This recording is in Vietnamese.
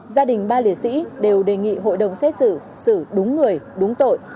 gia đình ba liệt sĩ đều đề nghị hội đồng xét xử xử đúng người đúng tội